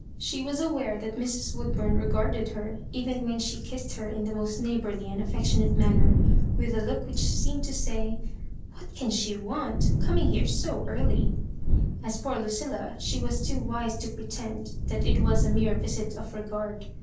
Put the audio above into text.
She was aware that Mrs. Woodburn regarded her, even when she kiss ed her in the most neighbourly and affectionate manner, with a look which seemed to say, " What can she want, coming here so early ?" As for Lucilla, she was too wise to pretend that it was a mere visit of regard.